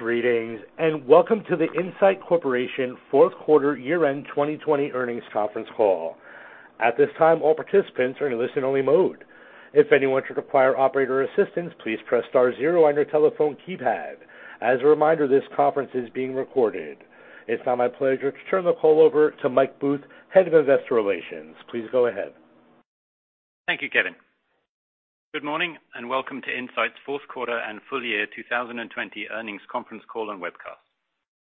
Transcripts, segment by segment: Greetings, and welcome to the Incyte Corporation fourth quarter year-end 2020 Earnings Conference Call. At this time, all participants are in listen-only mode. If anyone should require operator assistance, please press star zero on your telephone keypad. As a reminder, this conference is being recorded. It is now my pleasure to turn the call over to Mike Booth, Head of Investor Relations. Please go ahead. Thank you, Kevin. Good morning and welcome to Incyte's fourth quarter and full year 2020 earnings conference call and webcast.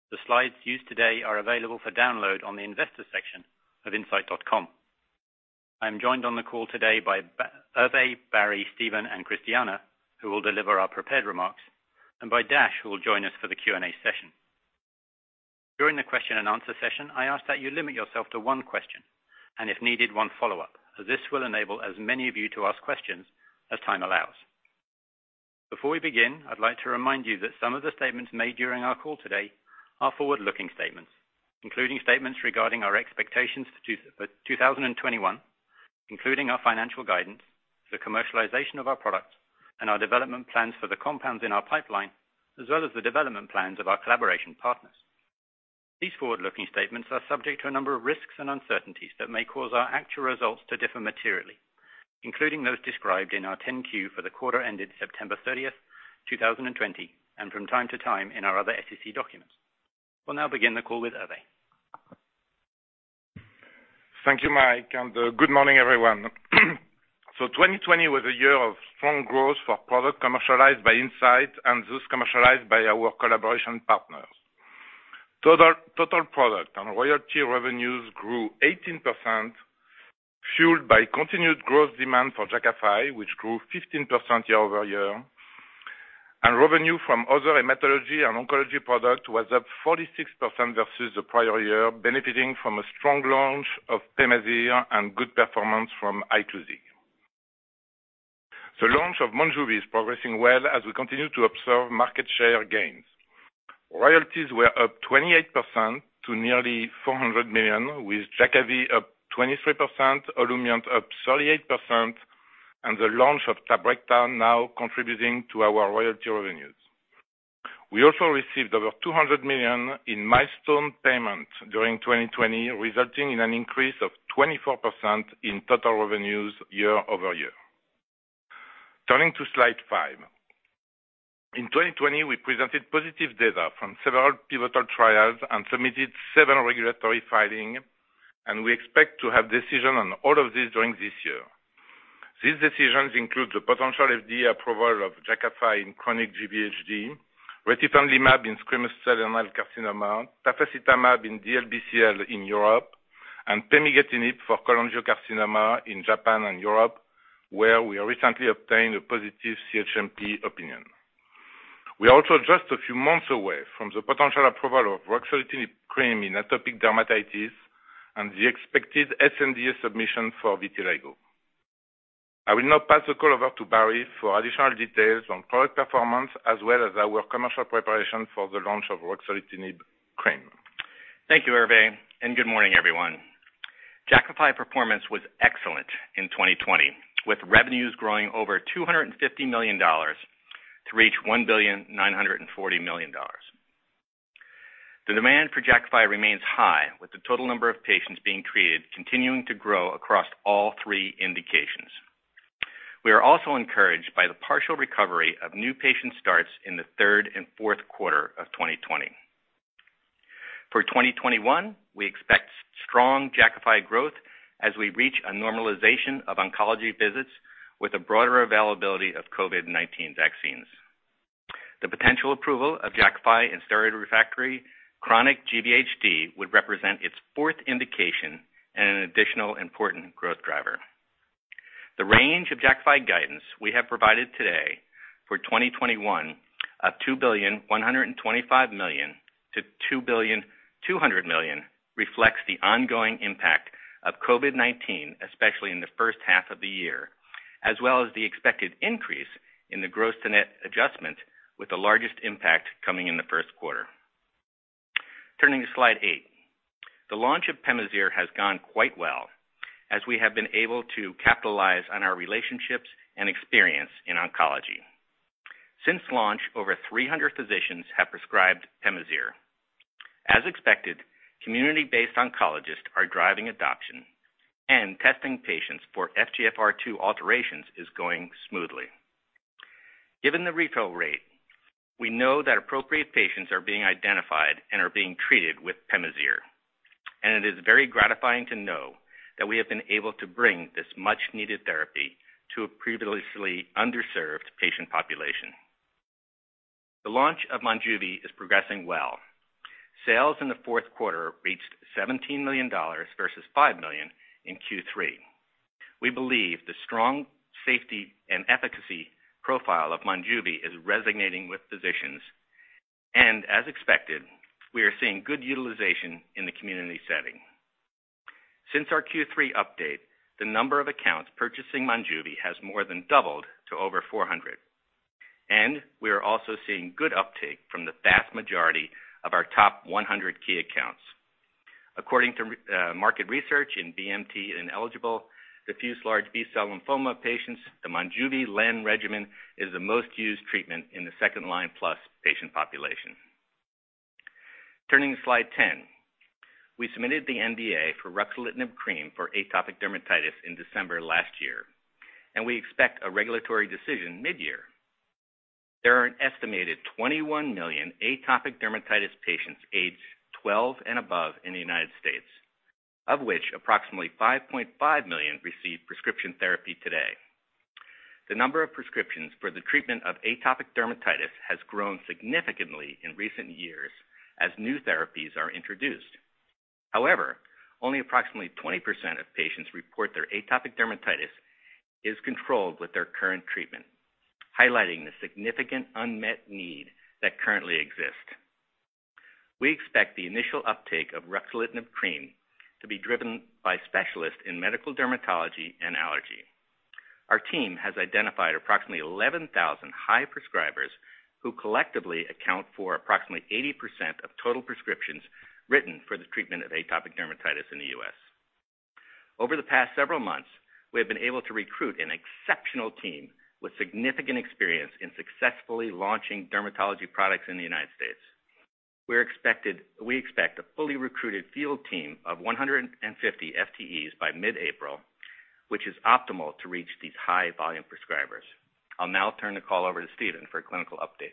The slides used today are available for download on the investor section of incyte.com. I'm joined on the call today by Hervé, Barry, Steven, and Christiana, who will deliver our prepared remarks, and by Dash, who will join us for the Q&A session. During the question-and answer-session, I ask that you limit yourself to one question, and if needed, one follow-up, as this will enable as many of you to ask questions as time allows. Before we begin, I'd like to remind you that some of the statements made during our call today are forward-looking statements, including statements regarding our expectations for 2021, including our financial guidance, the commercialization of our products, and our development plans for the compounds in our pipeline, as well as the development plans of our collaboration partners. These forward-looking statements are subject to a number of risks and uncertainties that may cause our actual results to differ materially, including those described in our 10-Q for the quarter ended September 30th, 2020, and from time-to-time in our other SEC documents. We'll now begin the call with Hervé. Thank you, Mike, and good morning, everyone. 2020 was a year of strong growth for products commercialized by Incyte and those commercialized by our collaboration partners. Total product and royalty revenues grew 18%, fueled by continued growth demand for Jakafi, which grew 15% year-over-year. Revenue from other hematology and oncology product was up 46% versus the prior year, benefiting from a strong launch of Pemazyre and good performance from Iclusig. The launch of Monjuvi is progressing well as we continue to observe market share gains. Royalties were up 28% to nearly $400 million, with Jakavi up 23%, Olumiant up 38%, and the launch of Tabrecta now contributing to our royalty revenues. We also received over $200 million in milestone payments during 2020, resulting in an increase of 24% in total revenues year-over-year. Turning to slide five. In 2020, we presented positive data from several pivotal trials and submitted seven regulatory filings. We expect to have decisions on all of these during this year. These decisions include the potential FDA approval of Jakafi in chronic GVHD, retifanlimab in squamous cell carcinoma, tafasitamab in DLBCL in Europe, and pemigatinib for cholangiocarcinoma in Japan and Europe, where we recently obtained a positive CHMP opinion. We are also just a few months away from the potential approval of ruxolitinib cream in atopic dermatitis and the expected sNDA submission for vitiligo. I will now pass the call over to Barry for additional details on product performance as well as our commercial preparation for the launch of ruxolitinib cream. Thank you, Hervé, and good morning, everyone. Jakafi performance was excellent in 2020, with revenues growing over $250 million to reach $1.94 billion. The demand for Jakafi remains high, with the total number of patients being treated continuing to grow across all three indications. We are also encouraged by the partial recovery of new patient starts in the third and fourth quarter of 2020. For 2021, we expect strong Jakafi growth as we reach a normalization of oncology visits with a broader availability of COVID-19 vaccines. The potential approval of Jakafi in steroid-refractory chronic GVHD would represent its fourth indication and an additional important growth driver. The range of Jakafi guidance we have provided today for 2021 of $2,125,000,000-$2,200,000,000 reflects the ongoing impact of COVID-19, especially in the first half of the year, as well as the expected increase in the gross-to-net adjustment, with the largest impact coming in the first quarter. Turning to slide eight. The launch of Pemazyre has gone quite well as we have been able to capitalize on our relationships and experience in oncology. Since launch, over 300 physicians have prescribed Pemazyre. As expected, community-based oncologists are driving adoption and testing patients for FGFR2 alterations is going smoothly. Given the refill rate, we know that appropriate patients are being identified and are being treated with Pemazyre, and it is very gratifying to know that we have been able to bring this much-needed therapy to a previously underserved patient population. The launch of Monjuvi is progressing well. Sales in the fourth quarter reached $17 million versus $5 million in Q3. We believe the strong safety and efficacy profile of Monjuvi is resonating with physicians. As expected, we are seeing good utilization in the community setting. Since our Q3 update, the number of accounts purchasing Monjuvi has more than doubled to over 400, and we are also seeing good uptake from the vast majority of our top 100 key accounts. According to market research in BMT ineligible DLBCL patients, the Monjuvi-len regimen is the most used treatment in the second-line plus patient population. Turning to slide 10. We submitted the NDA for ruxolitinib cream for atopic dermatitis in December last year, and we expect a regulatory decision mid-year. There are an estimated 21 million atopic dermatitis patients aged 12 and above in the United States, of which approximately 5.5 million receive prescription therapy today. The number of prescriptions for the treatment of atopic dermatitis has grown significantly in recent years as new therapies are introduced. Only approximately 20% of patients report their atopic dermatitis is controlled with their current treatment, highlighting the significant unmet need that currently exists. We expect the initial uptake of ruxolitinib cream to be driven by specialists in medical dermatology and allergy. Our team has identified approximately 11,000 high prescribers who collectively account for approximately 80% of total prescriptions written for the treatment of atopic dermatitis in the U.S. Over the past several months, we have been able to recruit an exceptional team with significant experience in successfully launching dermatology products in the United States. We expect a fully recruited field team of 150 FTEs by mid-April, which is optimal to reach these high-volume prescribers. I'll now turn the call over to Steven for a clinical update.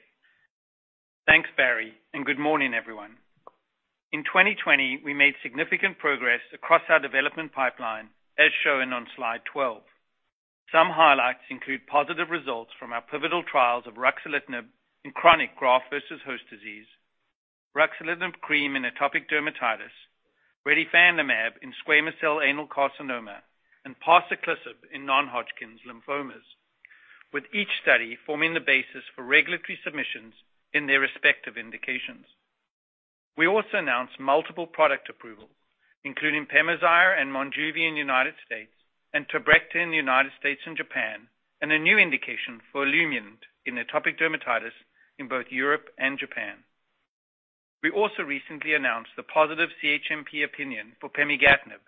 Thanks, Barry. Good morning, everyone. In 2020, we made significant progress across our development pipeline, as shown on slide 12. Some highlights include positive results from our pivotal trials of ruxolitinib in chronic graft versus host disease, ruxolitinib cream in atopic dermatitis, retifanlimab in squamous cell anal carcinoma, and parsaclisib in non-Hodgkin's lymphomas, with each study forming the basis for regulatory submissions in their respective indications. We also announced multiple product approvals, including Pemazyre and Monjuvi in the U.S., and Tabrecta in the U.S. and Japan, and a new indication for Olumiant in atopic dermatitis in both Europe and Japan. We also recently announced the positive CHMP opinion for pemigatinib,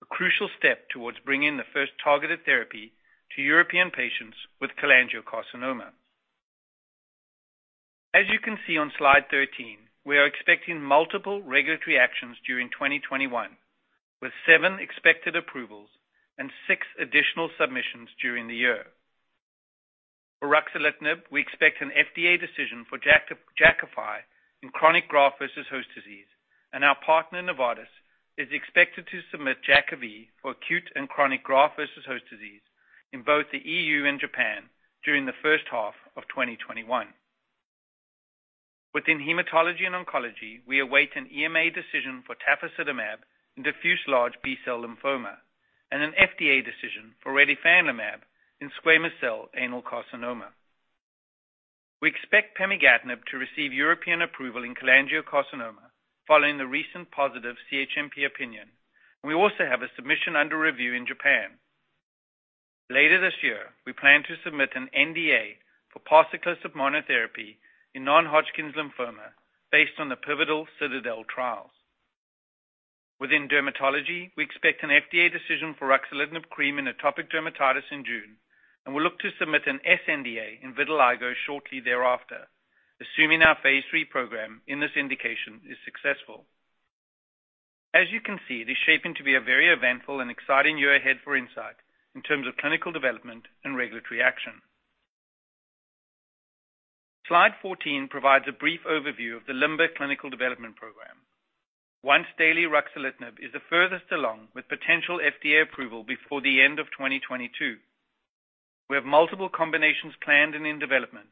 a crucial step towards bringing the first targeted therapy to European patients with cholangiocarcinoma. As you can see on slide 13, we are expecting multiple regulatory actions during 2021, with seven expected approvals and six additional submissions during the year. For ruxolitinib, we expect an FDA decision for Jakafi in chronic graft versus host disease, and our partner, Novartis, is expected to submit Jakavi for acute and chronic graft versus host disease in both the EU and Japan during the first half of 2021. Within hematology and oncology, we await an EMA decision for tafasitamab in diffuse large B-cell lymphoma and an FDA decision for retifanlimab in squamous cell anal carcinoma. We expect pemigatinib to receive European approval in cholangiocarcinoma following the recent positive CHMP opinion, and we also have a submission under review in Japan. Later this year, we plan to submit an NDA for parsaclisib monotherapy in non-Hodgkin's lymphoma based on the pivotal CITADEL trials. Within dermatology, we expect an FDA decision for ruxolitinib cream in atopic dermatitis in June. Will look to submit an sNDA in vitiligo shortly thereafter, assuming our phase III program in this indication is successful. As you can see, it is shaping to be a very eventful and exciting year ahead for Incyte in terms of clinical development and regulatory action. Slide 14 provides a brief overview of the LIMBER clinical development program. Once daily ruxolitinib is the furthest along, with potential FDA approval before the end of 2022. We have multiple combinations planned and in development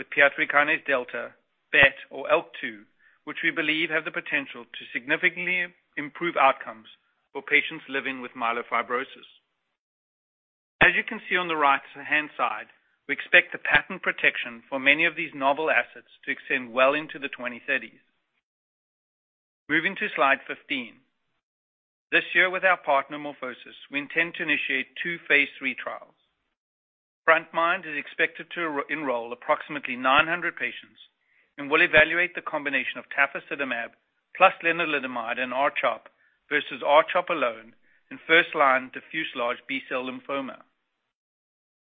with PI3K delta, BET, or ALK2, which we believe have the potential to significantly improve outcomes for patients living with myelofibrosis. As you can see on the right-hand side, we expect the patent protection for many of these novel assets to extend well into the 2030s. Moving to Slide 15. This year with our partner, MorphoSys, we intend to initiate two phase III trials. frontMIND is expected to enroll approximately 900 patients and will evaluate the combination of tafasitamab plus lenalidomide and R-CHOP versus R-CHOP alone in first-line diffuse large B-cell lymphoma.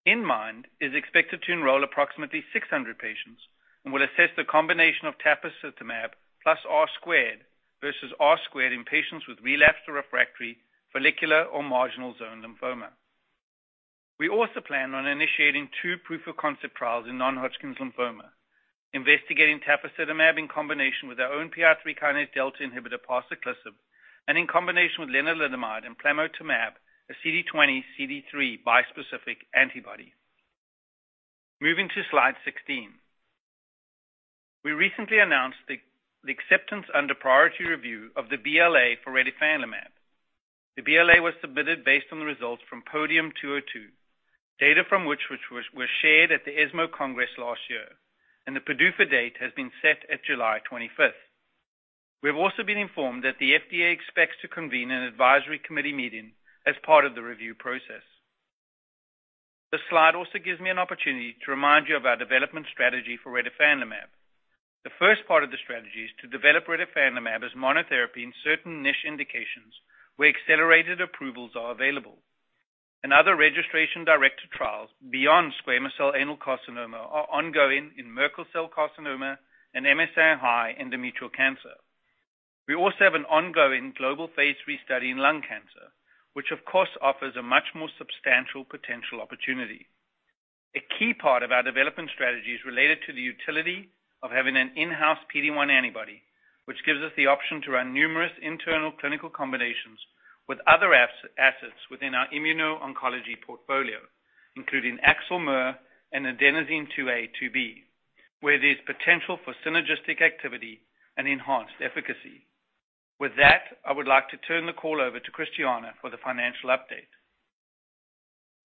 inMIND is expected to enroll approximately 600 patients and will assess the combination of tafasitamab plus R squared versus R squared in patients with relapsed or refractory follicular or marginal zone lymphoma. We also plan on initiating two proof-of-concept trials in non-Hodgkin's lymphoma, investigating tafasitamab in combination with our own PI3K delta inhibitor, parsaclisib, and in combination with lenalidomide and plamotamab, a CD20/CD3 bispecific antibody. Moving to slide 16. We recently announced the acceptance under priority review of the BLA for retifanlimab. The BLA was submitted based on the results from PODIUM-202, data from which was shared at the ESMO Congress last year, and the PDUFA date has been set at July 25th. We have also been informed that the FDA expects to convene an advisory committee meeting as part of the review process. This slide also gives me an opportunity to remind you of our development strategy for retifanlimab. The first part of the strategy is to develop retifanlimab as monotherapy in certain niche indications where accelerated approvals are available. Another registration directed trials beyond squamous cell anal carcinoma are ongoing in Merkel cell carcinoma and MSI-high endometrial cancer. We also have an ongoing global phase III study in lung cancer, which of course offers a much more substantial potential opportunity. A key part of our development strategy is related to the utility of having an in-house PD-1 antibody, which gives us the option to run numerous internal clinical combinations with other assets within our immuno-oncology portfolio, including AXL-MER and Adenosine A2A/A2B, where there's potential for synergistic activity and enhanced efficacy. With that, I would like to turn the call over to Christiana for the financial update.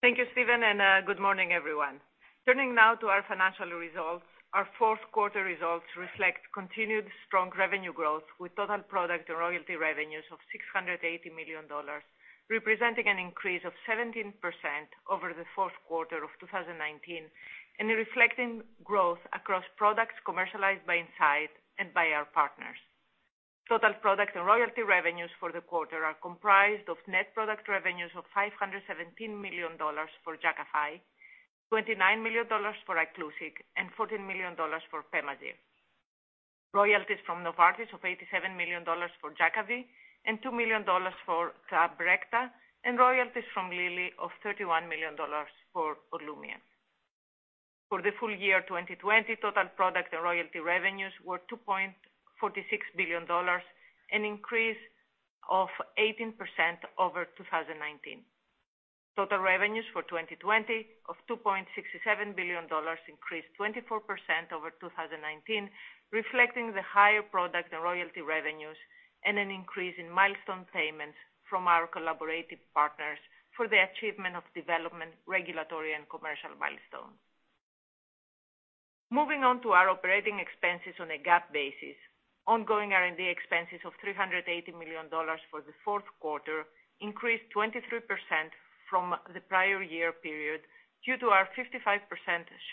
Thank you, Steven, and good morning, everyone. Turning now to our financial results. Our fourth quarter results reflect continued strong revenue growth with total product and royalty revenues of $680 million, representing an increase of 17% over the fourth quarter of 2019, and reflecting growth across products commercialized by Incyte and by our partners. Total product and royalty revenues for the quarter are comprised of net product revenues of $517 million for Jakafi, $29 million for Iclusig, and $14 million for Pemazyre. Royalties from Novartis of $87 million for Jakavi and $2 million for Tabrecta, and royalties from Lilly of $31 million for Olumiant. For the full year 2020, total product and royalty revenues were $2.46 billion, an increase of 18% over 2019. Total revenues for 2020 of $2.67 billion increased 24% over 2019, reflecting the higher product and royalty revenues and an increase in milestone payments from our collaborative partners for the achievement of development, regulatory, and commercial milestones. Moving on to our operating expenses on a GAAP basis. Ongoing R&D expenses of $380 million for the fourth quarter increased 23% from the prior year period due to our 55%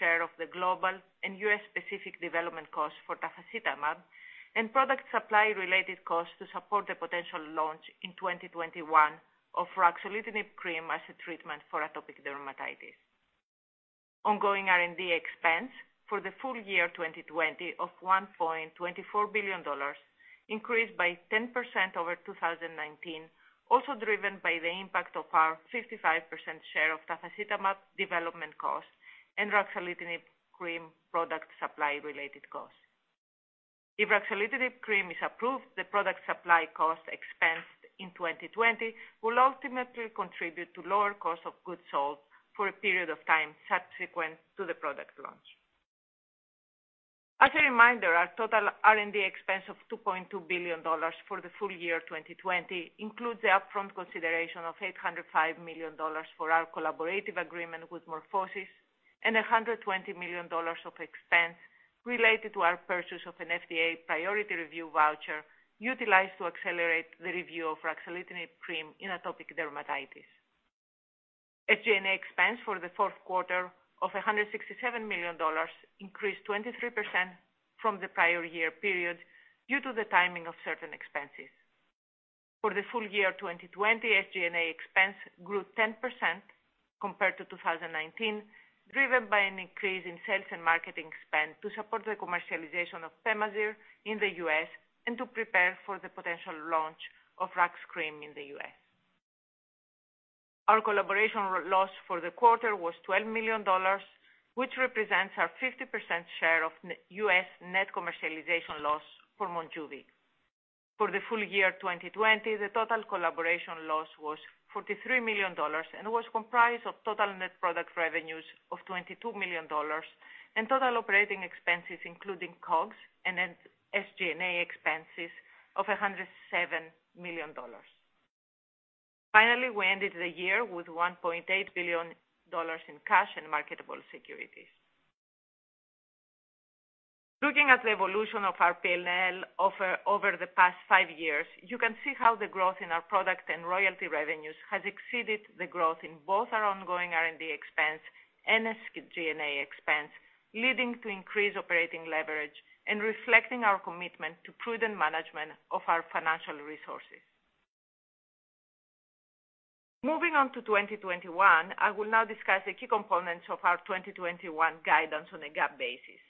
share of the global and US-specific development costs for tafasitamab and product supply-related costs to support the potential launch in 2021 of ruxolitinib cream as a treatment for atopic dermatitis. Ongoing R&D expense for the full year 2020 of $1.24 billion increased by 10% over 2019, also driven by the impact of our 55% share of tafasitamab development costs and ruxolitinib cream product supply-related costs. If ruxolitinib cream is approved, the product supply cost expense in 2020 will ultimately contribute to lower cost of goods sold for a period of time subsequent to the product launch. As a reminder, our total R&D expense of $2.2 billion for the full year 2020 includes the upfront consideration of $805 million for our collaborative agreement with MorphoSys and $120 million of expense related to our purchase of an FDA priority review voucher utilized to accelerate the review of ruxolitinib cream in atopic dermatitis. SG&A expense for the fourth quarter of $167 million increased 23% from the prior year period due to the timing of certain expenses. For the full year 2020, SG&A expense grew 10% compared to 2019, driven by an increase in sales and marketing spend to support the commercialization of Pemazyre in the U.S. and to prepare for the potential launch of Opzelura in the U.S. Our collaboration loss for the quarter was $12 million, which represents our 50% share of U.S. net commercialization loss for Monjuvi. For the full year 2020, the total collaboration loss was $43 million and was comprised of total net product revenues of $22 million and total operating expenses, including COGS and SG&A expenses of $107 million. Finally, we ended the year with $1.8 billion in cash and marketable securities. Looking at the evolution of our P&L over the past five years, you can see how the growth in our product and royalty revenues has exceeded the growth in both our ongoing R&D expense and SG&A expense, leading to increased operating leverage and reflecting our commitment to prudent management of our financial resources. Moving on to 2021, I will now discuss the key components of our 2021 guidance on a GAAP basis.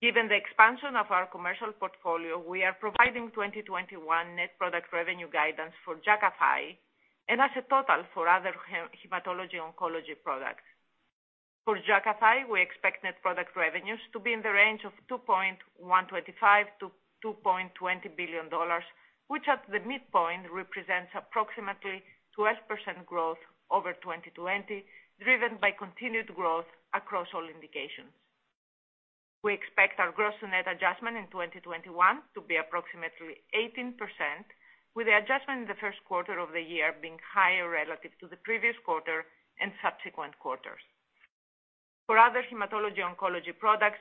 Given the expansion of our commercial portfolio, we are providing 2021 net product revenue guidance for Jakafi and as a total for other hematology/oncology products. For Jakafi, we expect net product revenues to be in the range of $2.125 billion-$2.20 billion, which at the midpoint represents approximately 12% growth over 2020, driven by continued growth across all indications. We expect our gross-to-net adjustment in 2021 to be approximately 18%, with the adjustment in the first quarter of the year being higher relative to the previous quarter and subsequent quarters. For other hematology/oncology products,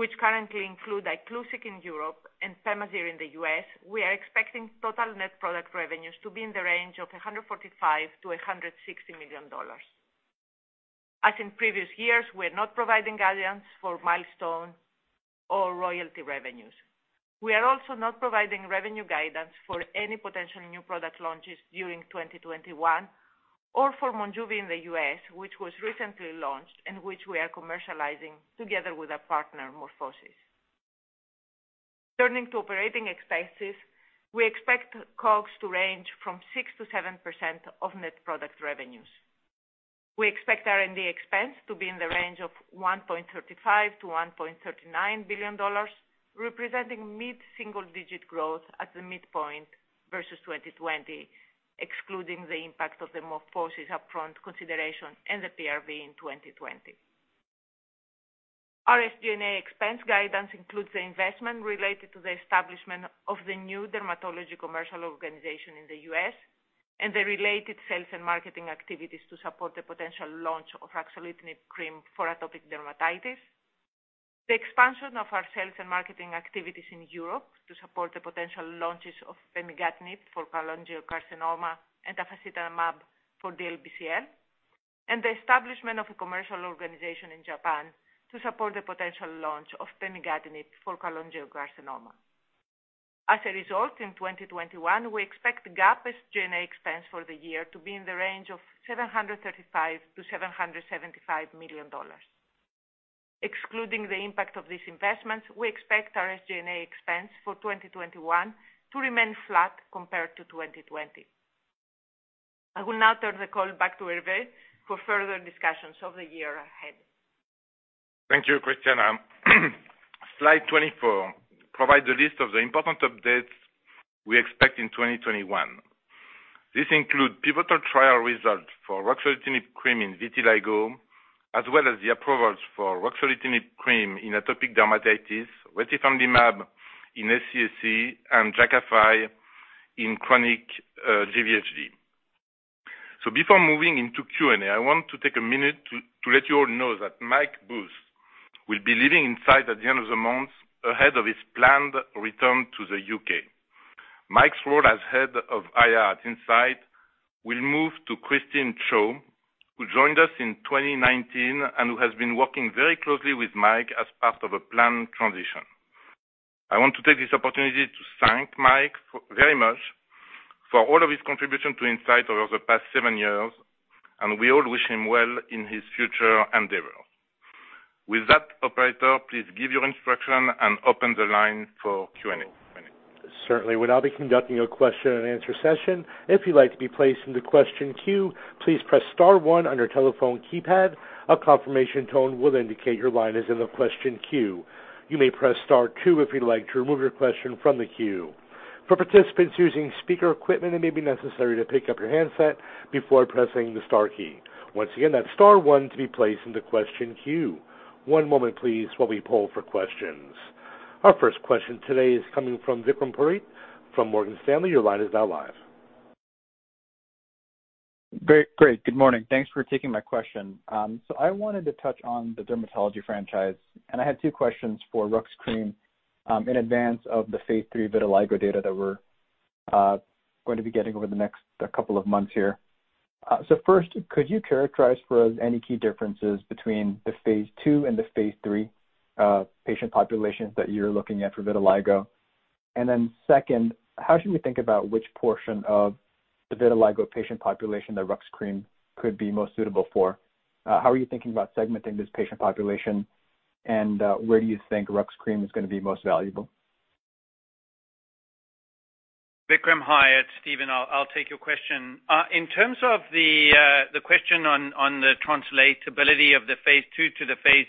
which currently include Iclusig in Europe and Pemazyre in the U.S., we are expecting total net product revenues to be in the range of $145 million to $160 million. As in previous years, we are not providing guidance for milestone or royalty revenues. We are also not providing revenue guidance for any potential new product launches during 2021 or for Monjuvi in the U.S., which was recently launched and which we are commercializing together with our partner, MorphoSys. Turning to operating expenses, we expect COGS to range from 6%-7% of net product revenues. We expect R&D expense to be in the range of $1.35 billion-$1.39 billion, representing mid-single digit growth at the midpoint versus 2020, excluding the impact of the MorphoSys upfront consideration and the PRV in 2020. Our SG&A expense guidance includes the investment related to the establishment of the new dermatology commercial organization in the U.S. and the related sales and marketing activities to support the potential launch of ruxolitinib cream for atopic dermatitis, the expansion of our sales and marketing activities in Europe to support the potential launches of pemigatinib for cholangiocarcinoma and tafasitamab for DLBCL, and the establishment of a commercial organization in Japan to support the potential launch of pemigatinib for cholangiocarcinoma. As a result, in 2021, we expect GAAP SG&A expense for the year to be in the range of $735 million-$775 million. Excluding the impact of these investments, we expect our SG&A expense for 2021 to remain flat compared to 2020. I will now turn the call back to Hervé for further discussions of the year ahead. Thank you, Christiana. Slide 24 provide a list of the important updates we expect in 2021. This include pivotal trial results for ruxolitinib cream in vitiligo, as well as the approvals for ruxolitinib cream in atopic dermatitis, retifanlimab in SCAC, and Jakafi in chronic GVHD. Before moving into Q&A, I want to take a minute to let you all know that Mike Booth will be leaving Incyte at the end of the month ahead of his planned return to the U.K. Mike's role as head of IR at Incyte will move to Christine Cho, who joined us in 2019 and who has been working very closely with Mike as part of a planned transition. I want to take this opportunity to thank Mike very much for all of his contribution to Incyte over the past seven years, and we all wish him well in his future endeavors. With that, operator, please give your instruction and open the line for Q&A. Certainly. We'll now be conducting a question-and-answer session. If you'd like to be placed into question queue, please press star one on your telephone keypad. A confirmation tone will indicate your line is in the question queue. You may press star two if you'd like to remove your question from the queue. For participants using speaker equipment, it may be necessary to pick up your handset before pressing the star key. Once again, that's star one to be placed into question queue. One moment, please, while we poll for questions. Our first question today is coming from Vikram Purohit from Morgan Stanley. Your line is now live. Great. Good morning. Thanks for taking my question. I wanted to touch on the dermatology franchise, and I had two questions for rux cream in advance of the phase III vitiligo data that we're going to be getting over the next couple of months here. First, could you characterize for us any key differences between the phase II and the phase III patient populations that you're looking at for vitiligo? Second, how should we think about which portion of the vitiligo patient population the rux cream could be most suitable for? How are you thinking about segmenting this patient population, and where do you think rux cream is going to be most valuable? Vikram, hi. It's Steven. I'll take your question. In terms of the question on the translatability of the phase II to the phase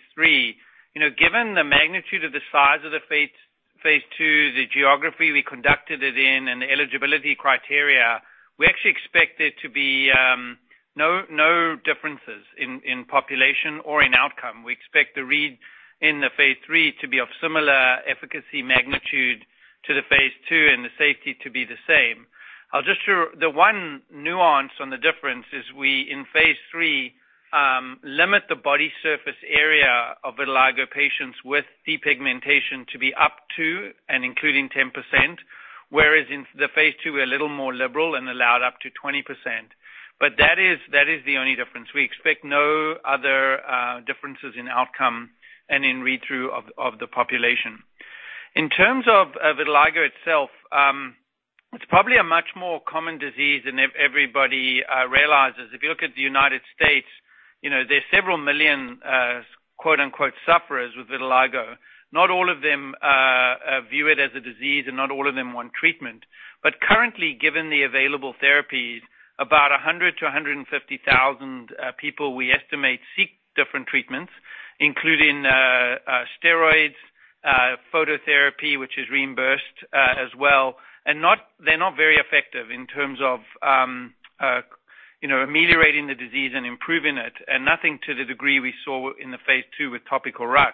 III, given the magnitude of the size of the phase II, the geography we conducted it in, and the eligibility criteria, we actually expect there to be no differences in population or in outcome. We expect the read in the phase III to be of similar efficacy magnitude to the phase II and the safety to be the same. The one nuance on the difference is we, in phase III, limit the body surface area of vitiligo patients with depigmentation to be up to and including 10%, whereas in the phase II, we're a little more liberal and allowed up to 20%. That is the only difference. We expect no other differences in outcome and in read-through of the population. In terms of vitiligo itself, it's probably a much more common disease than everybody realizes. If you look at the United States, there are several million, quote unquote, "sufferers" with vitiligo. Not all of them view it as a disease, and not all of them want treatment. Currently, given the available therapies, about 100,000-150,000 people we estimate seek different treatments, including steroids, phototherapy, which is reimbursed as well, and they're not very effective in terms of ameliorating the disease and improving it, and nothing to the degree we saw in the phase II with topical rux.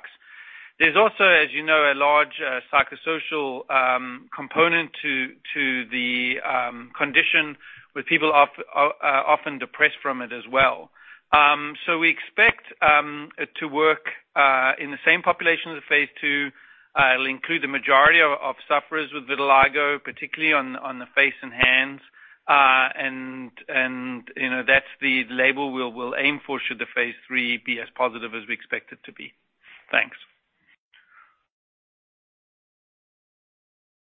there's also, as you know, a large psychosocial component to the condition, with people often depressed from it as well. We expect it to work in the same population as phase II. It'll include the majority of sufferers with vitiligo, particularly on the face and hands. That's the label we'll aim for should the phase III be as positive as we expect it to be. Thanks.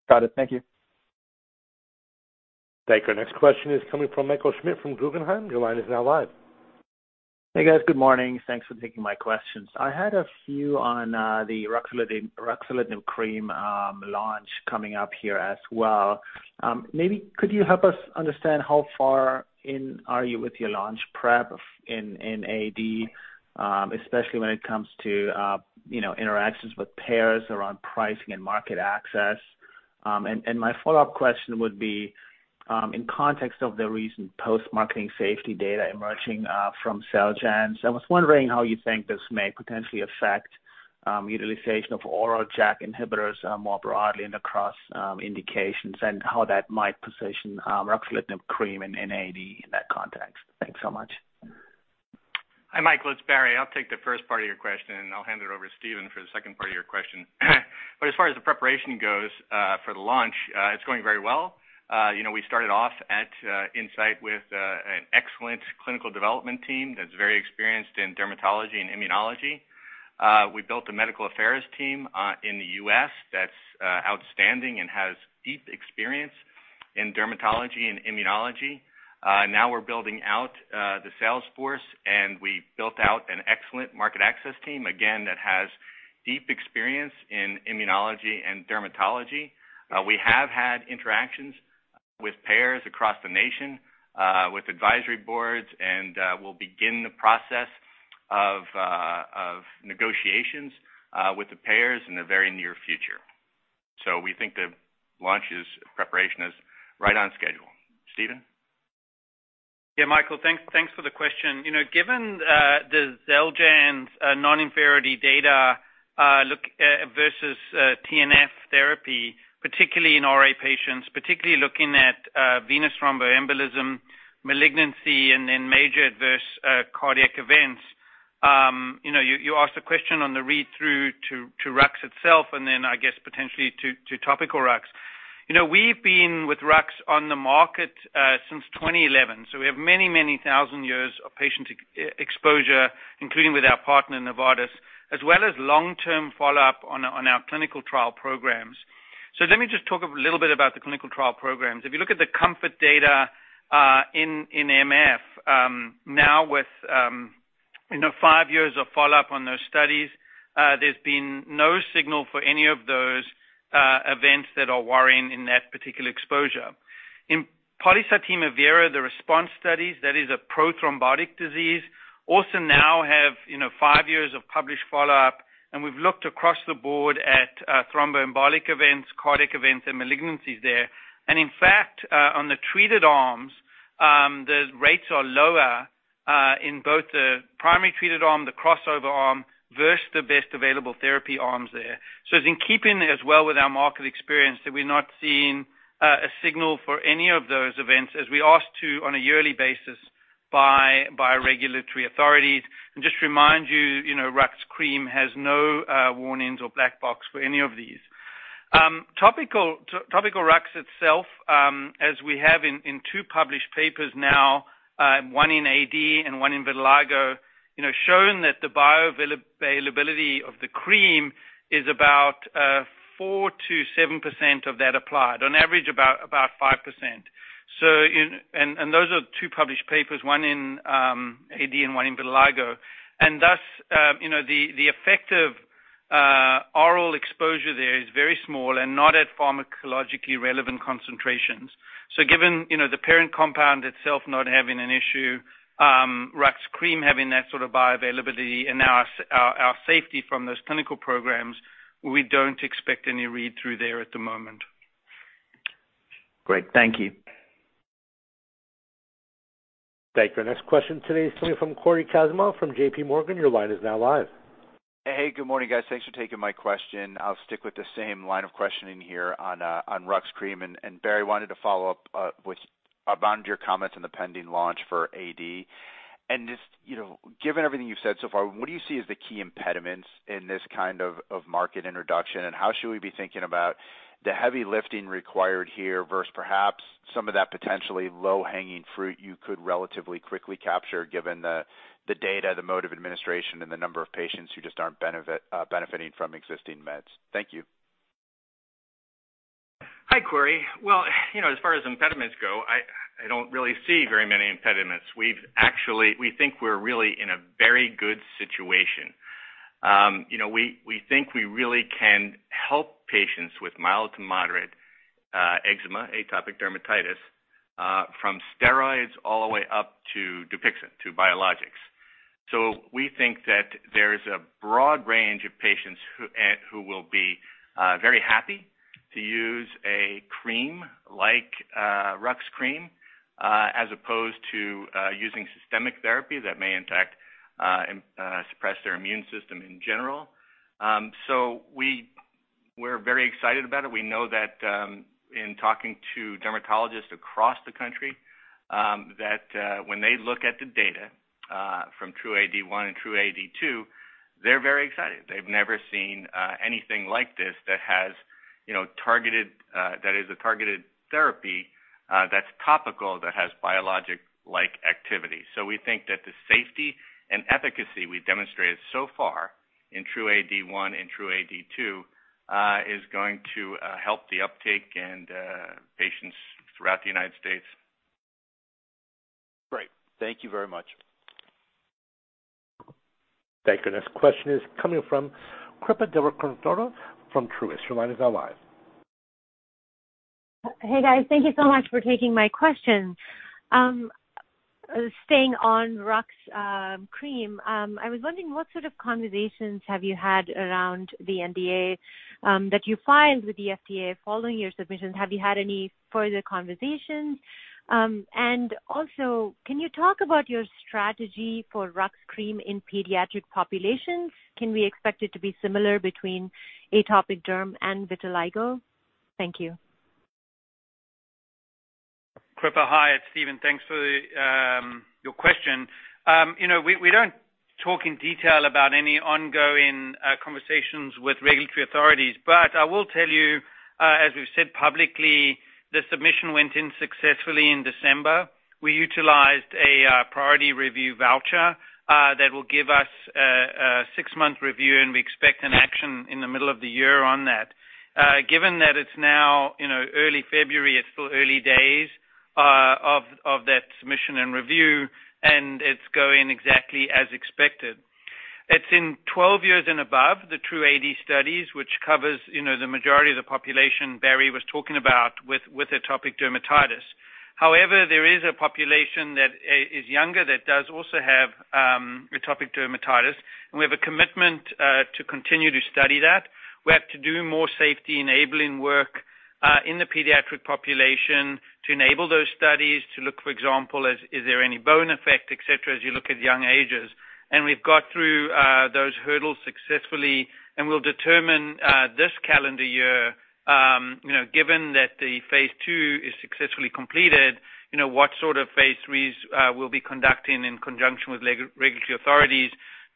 Got it. Thank you. Thank you. Our next question is coming from Michael Schmidt from Guggenheim. Your line is now live. Hey, guys. Good morning. Thanks for taking my questions. I had a few on the ruxolitinib cream launch coming up here as well. Maybe could you help us understand how far in are you with your launch prep in AD, especially when it comes to interactions with payers around pricing and market access? My follow-up question would be, in context of the recent post-marketing safety data emerging from Xeljanz, I was wondering how you think this may potentially affect utilization of oral JAK inhibitors more broadly and across indications, and how that might position ruxolitinib cream in AD in that context. Thanks so much. Hi, Michael, it's Barry. I'll take the first part of your question, and I'll hand it over to Steven for the second part of your question. As far as the preparation goes for the launch, it's going very well. We started off at Incyte with an excellent clinical development team that's very experienced in dermatology and immunology. We built a medical affairs team in the U.S. that's outstanding and has deep experience in dermatology and immunology. We're building out the sales force, and we built out an excellent market access team, again, that has deep experience in immunology and dermatology. We have had interactions with payers across the nation, with advisory boards, and we'll begin the process of negotiations with the payers in the very near future. We think the launch preparation is right on schedule. Steven? Yeah, Michael, thanks for the question. Given the Xeljanz non-inferiority data versus TNF therapy, particularly in RA patients, particularly looking at venous thromboembolism, malignancy, and then major adverse cardiac events. You asked a question on the read-through to rux itself and then I guess potentially to topical rux. We've been with rux on the market since 2011. We have many, many thousand years of patient exposure, including with our partner, Novartis, as well as long-term follow-up on our clinical trial programs. Let me just talk a little bit about the clinical trial programs. If you look at the COMFORT data in MF, now with five years of follow-up on those studies, there's been no signal for any of those events that are worrying in that particular exposure. In polycythemia vera, the response studies, that is a prothrombotic disease, also now have five years of published follow-up, we've looked across the board at thromboembolic events, cardiac events, and malignancies there. In fact, on the treated arms, the rates are lower in both the primary treated arm, the crossover arm versus the best available therapy arms there. It's in keeping as well with our market experience that we're not seeing a signal for any of those events as we asked to on a yearly basis by regulatory authorities. Just remind you, rux cream has no warnings or black box for any of these. Topical rux itself, as we have in two published papers now, one in AD and one in vitiligo, shown that the bioavailability of the cream is about 4%-7% of that applied, on average, about 5%. Those are two published papers, one in AD and one in vitiligo. Thus, the effect of oral exposure there is very small and not at pharmacologically relevant concentrations. Given the parent compound itself not having an issue, rux cream having that sort of bioavailability, and now our safety from those clinical programs, we don't expect any read-through there at the moment. Great. Thank you. Thank you. Our next question today is coming from Cory Kasimov from J.P. Morgan. Your line is now live. Hey. Good morning, guys. Thanks for taking my question. I'll stick with the same line of questioning here on rux cream. Barry, wanted to follow up around your comments on the pending launch for AD. Just given everything you've said so far, what do you see as the key impediments in this kind of market introduction, and how should we be thinking about the heavy lifting required here versus perhaps some of that potentially low-hanging fruit you could relatively quickly capture given the data, the mode of administration, and the number of patients who just aren't benefiting from existing meds? Thank you. Hi, Cory. Well, as far as impediments go, I don't really see very many impediments. We think we're really in a very good situation. We think we really can help patients with mild to moderate eczema, atopic dermatitis, from steroids all the way up to Dupixent, to biologics. We think that there is a broad range of patients who will be very happy to use a cream like rux cream as opposed to using systemic therapy that may in fact suppress their immune system in general. We're very excited about it. We know that in talking to dermatologists across the country, that when they look at the data from TRuE-AD1 and TRuE-AD2, they're very excited. They've never seen anything like this that is a targeted therapy that's topical, that has biologic-like activity. We think that the safety and efficacy we demonstrated so far in TRuE-AD1 and TRuE-AD2 is going to help the uptake and patients throughout the United States. Great. Thank you very much. Thank you. Our next question is coming from Kripa Devarakonda from Truist. Your line is now live. Hey, guys. Thank you so much for taking my question. Staying on rux cream, I was wondering, what sort of conversations have you had around the NDA that you filed with the FDA following your submissions? Have you had any further conversations? Also, can you talk about your strategy for rux cream in pediatric populations? Can we expect it to be similar between atopic derm and vitiligo? Thank you. Kripa. Hi, it's Steven. Thanks for your question. We don't talk in detail about any ongoing conversations with regulatory authorities. I will tell you, as we've said publicly, the submission went in successfully in December. We utilized a priority review voucher that will give us a six-month review, and we expect an action in the middle of the year on that. Given that it's now early February, it's still early days of that submission and review, and it's going exactly as expected. It's in 12 years and above the TRuE-AD studies, which covers the majority of the population Barry was talking about with atopic dermatitis. There is a population that is younger that does also have atopic dermatitis, and we have a commitment to continue to study that. We have to do more safety-enabling work in the pediatric population to enable those studies to look, for example, is there any bone effect, et cetera, as you look at young ages. We've got through those hurdles successfully, and we'll determine this calendar year, given that the phase II is successfully completed, what sort of phase IIIs we'll be conducting in conjunction with regulatory authorities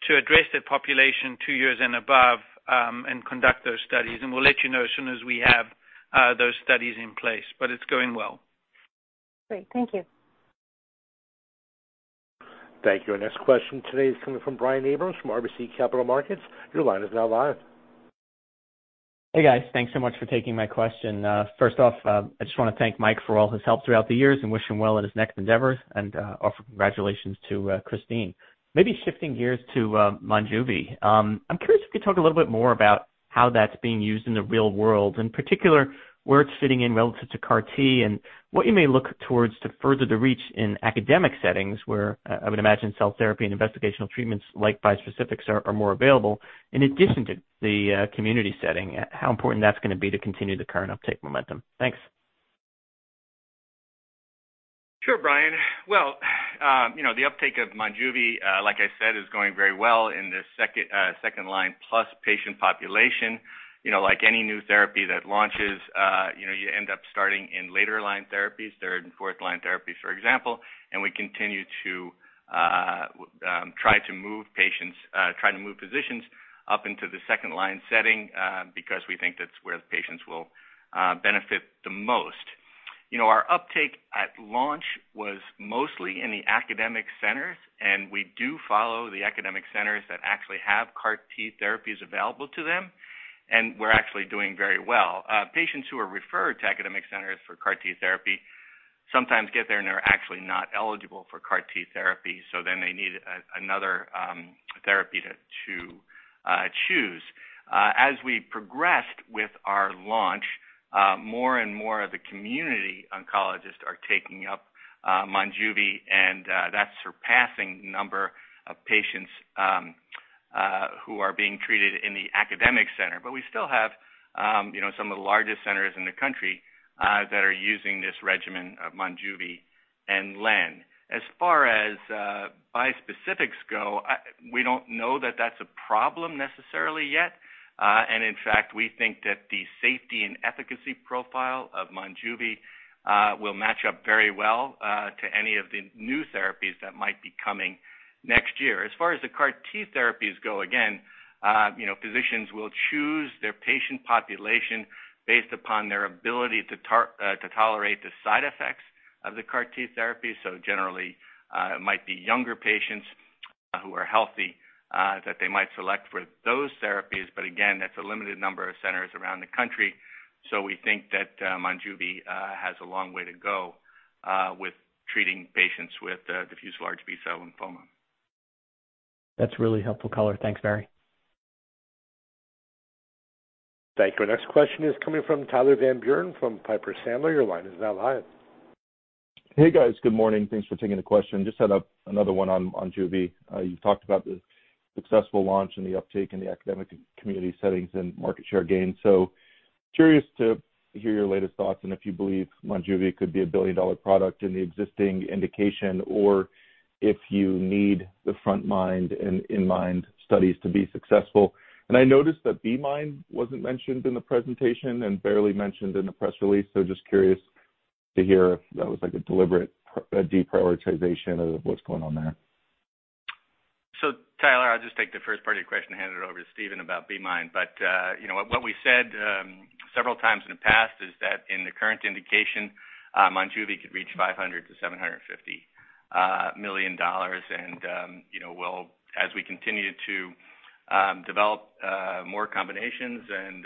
to address that population two years and above, and conduct those studies. We'll let you know as soon as we have those studies in place. But it's going well. Great. Thank you. Thank you. Our next question today is coming from Brian Abrahams from RBC Capital Markets. Your line is now live. Hey, guys. Thanks so much for taking my question. First off, I just want to thank Mike for all his help throughout the years and wish him well in his next endeavors, and offer congratulations to Christine. Maybe shifting gears to Monjuvi. I'm curious if you could talk a little bit more about how that's being used in the real world, in particular, where it's fitting in relative to CAR-T, and what you may look towards to further the reach in academic settings, where I would imagine cell therapy and investigational treatments like bispecifics are more available in addition to the community setting. How important that's going to be to continue the current uptake momentum. Thanks. Sure, Brian. Well, the uptake of Monjuvi, like I said, is going very well in the second line plus patient population. Like any new therapy that launches, you end up starting in later line therapies, third and fourth line therapies, for example. We continue to try to move physicians up into the second line setting because we think that's where the patients will benefit the most. Our uptake at launch was mostly in the academic centers, and we do follow the academic centers that actually have CAR-T therapies available to them, and we're actually doing very well. Patients who are referred to academic centers for CAR-T therapy sometimes get there, and they're actually not eligible for CAR-T therapy. They need another therapy to choose. We progressed with our launch, more and more of the community oncologists are taking up Monjuvi, and that's surpassing number of patients who are being treated in the academic center. We still have some of the largest centers in the country that are using this regimen of Monjuvi and lenalidomide. As far as bispecifics go, we don't know that that's a problem necessarily yet. In fact, we think that the safety and efficacy profile of Monjuvi will match up very well to any of the new therapies that might be coming next year. As far as the CAR-T therapies go, again, physicians will choose their patient population based upon their ability to tolerate the side effects of the CAR-T therapy. Generally, it might be younger patients who are healthy that they might select for those therapies. Again, that's a limited number of centers around the country. We think that Monjuvi has a long way to go with treating patients with diffuse large B-cell lymphoma. That's really helpful color. Thanks, Barry. Thank you. Our next question is coming from Tyler Van Buren from Piper Sandler. Your line is now live. Hey, guys. Good morning. Thanks for taking the question. Just had another one on Monjuvi. You talked about the successful launch and the uptake in the academic community settings and market share gains. Curious to hear your latest thoughts and if you believe Monjuvi could be a billion-dollar product in the existing indication or if you need the frontMIND and inMIND studies to be successful. I noticed that B-MIND wasn't mentioned in the presentation and barely mentioned in the press release, just curious to hear if that was a deliberate deprioritization of what's going on there. Tyler, I'll just take the first part of your question and hand it over to Steven about B-MIND. What we said several times in the past is that in the current indication, Monjuvi could reach $500 million-$750 million. As we continue to develop more combinations and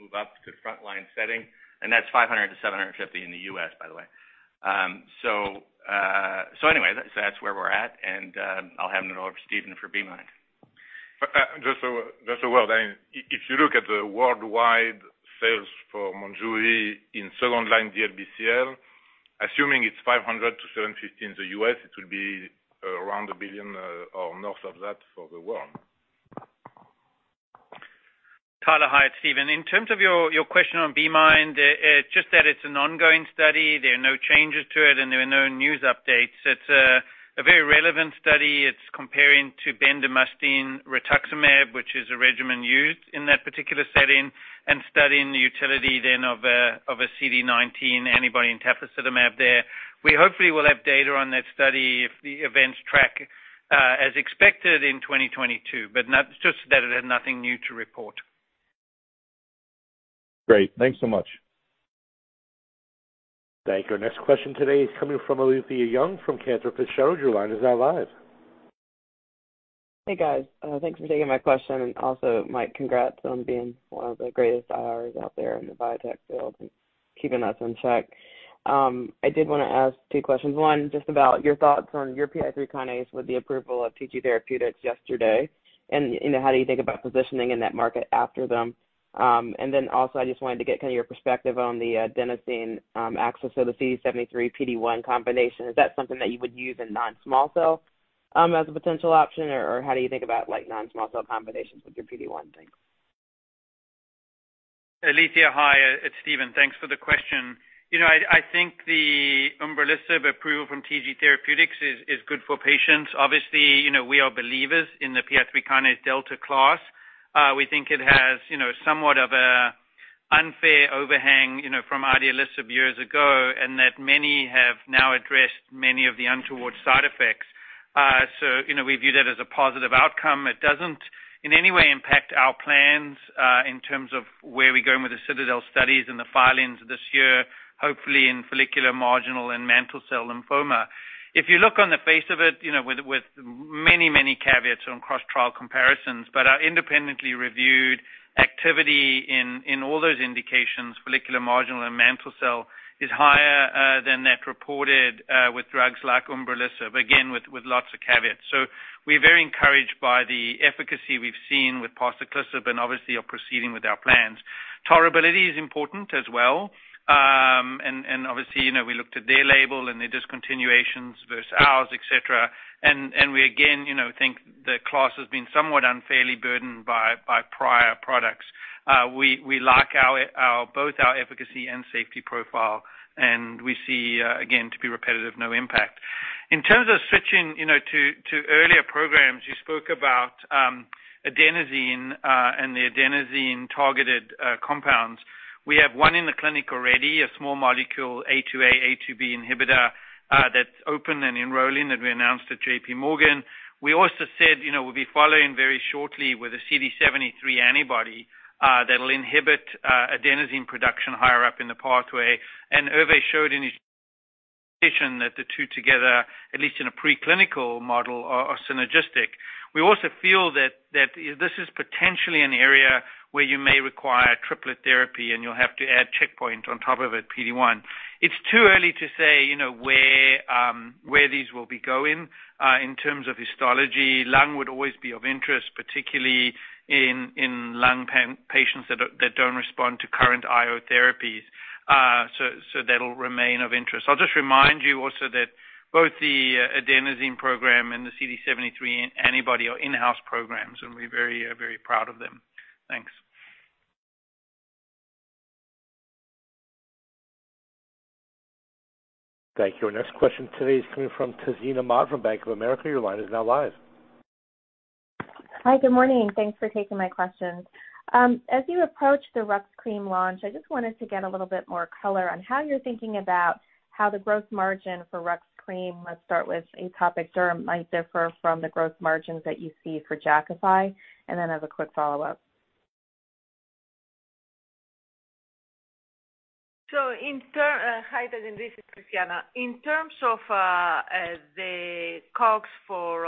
move up to the frontline setting, and that's $500 million-$750 million in the U.S., by the way. Anyway, that's where we're at, and I'll hand it over to Steven for B-MIND. If you look at the worldwide sales for Monjuvi in second-line DLBCL, assuming it's $500 million-$750 million in the U.S., it will be around $1 billion or north of that for the world. Tyler, hi. It's Steven. In terms of your question on B-MIND, just that it's an ongoing study, there are no changes to it, and there are no news updates. It's a very relevant study. It's comparing to bendamustine rituximab, which is a regimen used in that particular setting, and studying the utility then of a CD19 antibody in tafasitamab there. We hopefully will have data on that study if the events track as expected in 2022, but not just that it had nothing new to report. Great. Thanks so much. Thank you. Our next question today is coming from Alethia Young from Cantor Fitzgerald. Your line is now live. Hey, guys. Thanks for taking my question, and also, Mike, congrats on being one of the greatest IRs out there in the biotech field and keeping us in check. I did want to ask two questions. One, just about your thoughts on your PI3K with the approval of TG Therapeutics yesterday, and how do you think about positioning in that market after them? Also, I just wanted to get kind of your perspective on the adenosine axis of the CD73-PD-1 combination. Is that something that you would use in non-small cell as a potential option? How do you think about non-small cell combinations with your PD-1? Thanks. Alethia, hi. It's Steven. Thanks for the question. I think the umbralisib approval from TG Therapeutics is good for patients. Obviously, we are believers in the PI3K delta class. We think it has somewhat of an unfair overhang from idelalisib years ago, and that many have now addressed many of the untoward side effects. We view that as a positive outcome. It doesn't in any way impact our plans in terms of where we're going with the CITADEL studies and the filings this year, hopefully in follicular marginal and mantle cell lymphoma. If you look on the face of it, with many caveats on cross-trial comparisons, but our independently reviewed activity in all those indications, follicular marginal and mantle cell is higher than that reported with drugs like umbralisib, again, with lots of caveats. We're very encouraged by the efficacy we've seen with parsaclisib and obviously are proceeding with our plans. Tolerability is important as well, and obviously, we looked at their label and their discontinuations versus ours, et cetera. We again think the class has been somewhat unfairly burdened by prior products. We like both our efficacy and safety profile, and we see, again, to be repetitive, no impact. In terms of switching to earlier programs, you spoke about adenosine and the adenosine targeted compounds. We have one in the clinic already, a small molecule A2A/A2B inhibitor that's open and enrolling that we announced at J.P. Morgan. We also said we'll be following very shortly with a CD73 antibody that'll inhibit adenosine production higher up in the pathway. Hervé showed in his presentation that the two together, at least in a preclinical model, are synergistic. We also feel that this is potentially an area where you may require triplet therapy, and you'll have to add checkpoint on top of it, PD-1. It's too early to say where these will be going in terms of histology. Lung would always be of interest, particularly in lung patients that don't respond to current IO therapies. That'll remain of interest. I'll just remind you also that both the adenosine program and the CD73 antibody are in-house programs, and we're very proud of them. Thanks. Thank you. Our next question today is coming from Tazeen Ahmad from Bank of America. Your line is now live. Hi, good morning. Thanks for taking my questions. As you approach the rux cream launch, I just wanted to get a little bit more color on how you're thinking about how the gross margin for rux cream, let's start with atopic derm, might differ from the gross margins that you see for Jakafi. As a quick follow-up. Hi, Tazeen. This is Christiana. In terms of the COGS for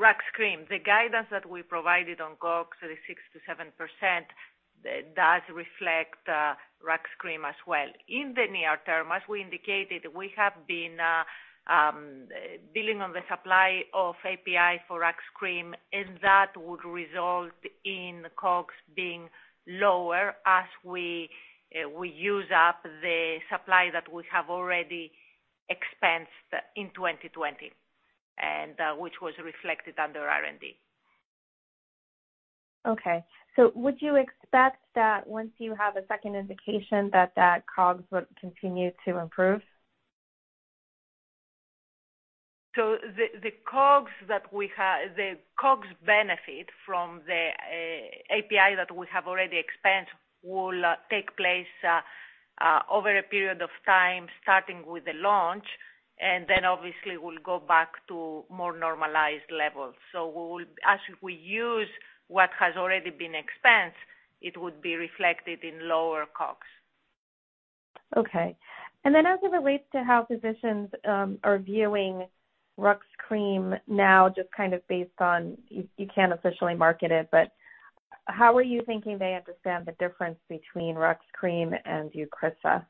rux cream, the guidance that we provided on COGS, the 6%-7%, does reflect rux cream as well. In the near term, as we indicated, we have been dealing on the supply of API for rux cream, and that would result in COGS being lower as we use up the supply that we have already expensed in 2020. Which was reflected under R&D. Okay. Would you expect that once you have a second indication that COGS would continue to improve? The COGS benefit from the API that we have already expensed will take place over a period of time starting with the launch, and then obviously will go back to more normalized levels. As we use what has already been expensed, it would be reflected in lower COGS. Okay. As it relates to how physicians are viewing rux cream now, just kind of based on, you can't officially market it, but how are you thinking they understand the difference between rux cream and Eucrisa,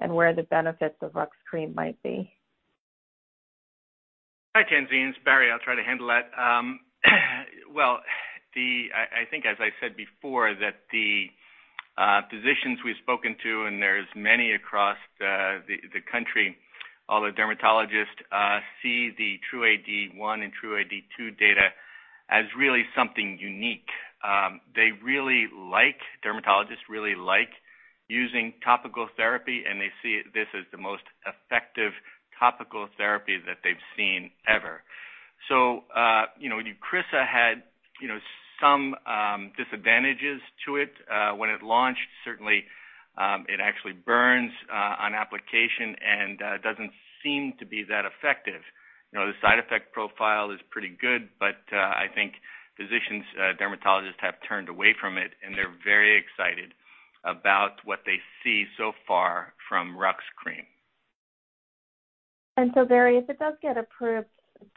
and where the benefits of rux cream might be? Hi, Tazeen, it's Barry. I'll try to handle that. I think as I said before, that the physicians we've spoken to, and there's many across the country, all the dermatologists see the TRuE-AD1 and TRuE-AD2 data as really something unique. Dermatologists really like using topical therapy, they see this as the most effective topical therapy that they've seen ever. Eucrisa had some disadvantages to it when it launched. Certainly, it actually burns on application and doesn't seem to be that effective. The side effect profile is pretty good, I think physicians, dermatologists have turned away from it, they're very excited about what they see so far from rux cream. Barry, if it does get approved,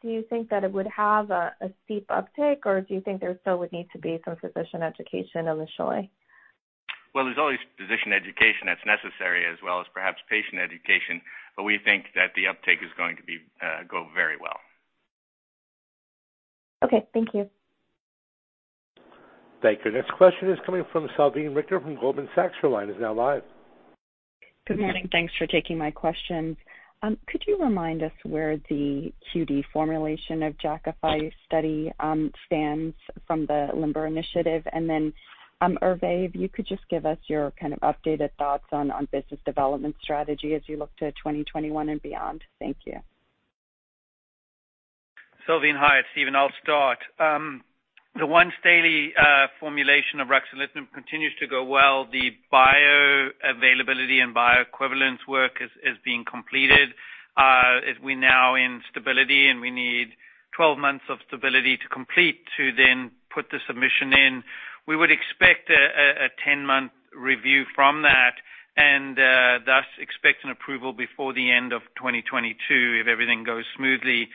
do you think that it would have a steep uptick, or do you think there still would need to be some physician education initially? There's always physician education that's necessary as well as perhaps patient education. We think that the uptick is going to go very well. Okay. Thank you. Thank you. Next question is coming from Salveen Richter from Goldman Sachs. Your line is now live. Good morning. Thanks for taking my questions. Could you remind us where the QD formulation of Jakafi study stands from the LIMBER initiative? Then, Hervé, if you could just give us your kind of updated thoughts on business development strategy as you look to 2021 and beyond. Thank you. Salveen, hi. It's Steven. I'll start. The once daily formulation of ruxolitinib continues to go well. The bioavailability and bioequivalence work is being completed. We're now in stability, and we need 12 months of stability to complete to then put the submission in. We would expect a 10-month review from that, and thus expect an approval before the end of 2022 if everything goes smoothly.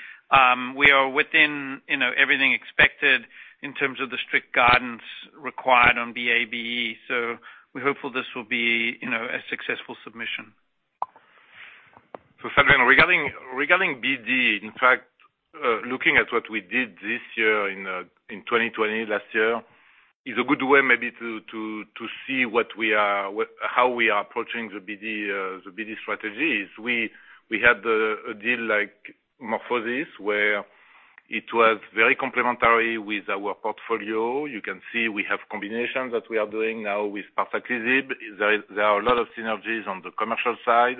We are within everything expected in terms of the strict guidance required on BA/BE. We're hopeful this will be a successful submission. Salveen, regarding BD, in fact, looking at what we did this year in 2020 last year is a good way maybe to see how we are approaching the BD strategies. We had a deal like MorphoSys, where it was very complementary with our portfolio. You can see we have combinations that we are doing now with parsaclisib. There are a lot of synergies on the commercial side,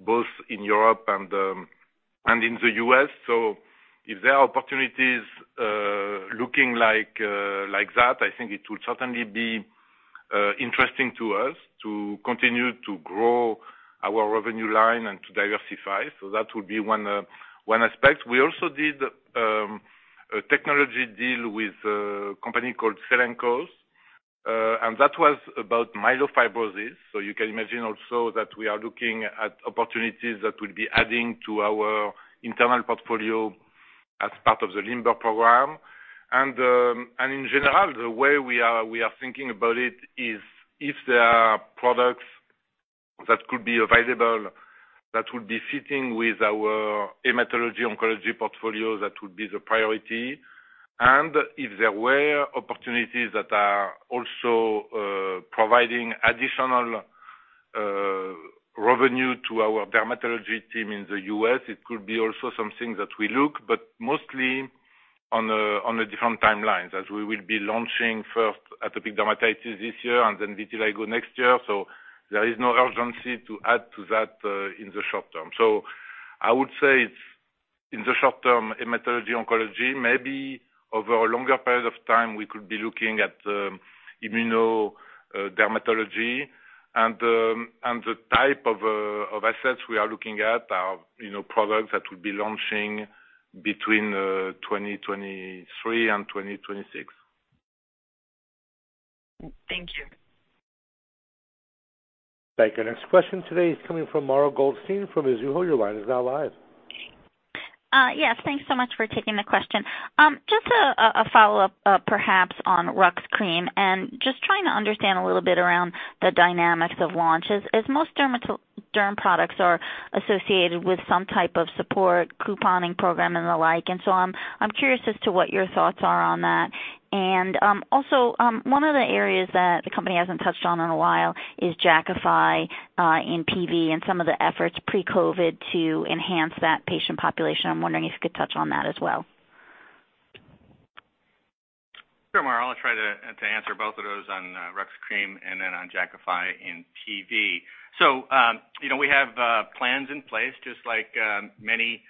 both in Europe and in the U.S. If there are opportunities looking like that, I think it will certainly be interesting to us to continue to grow our revenue line and to diversify. That would be one aspect. We also did a technology deal with a company called Cellenkos, and that was about myelofibrosis. You can imagine also that we are looking at opportunities that will be adding to our internal portfolio as part of the LIMBER program. In general, the way we are thinking about it is if there are products that could be available that would be fitting with our hematology oncology portfolio, that would be the priority. If there were opportunities that are also providing additional revenue to our dermatology team in the U.S., it could be also something that we look, but mostly on a different timelines as we will be launching first atopic dermatitis this year and then vitiligo next year. There is no urgency to add to that in the short term. I would say it's in the short term, hematology oncology, maybe over a longer period of time, we could be looking at immunodermatology. The type of assets we are looking at are products that will be launching between 2023 and 2026. Thank you. Thank you. Next question today is coming from Mara Goldstein from Mizuho. Your line is now live. Yes. Thanks so much for taking the question. Just a follow-up perhaps on rux cream, and just trying to understand a little bit around the dynamics of launches. As most derm products are associated with some type of support couponing program and the like. I'm curious as to what your thoughts are on that. Also, one of the areas that the company hasn't touched on in a while is Jakafi in PV and some of the efforts pre-COVID-19 to enhance that patient population. I'm wondering if you could touch on that as well. I'll try to answer both of those on rux cream and then on Jakafi in PV. We have plans in place just like many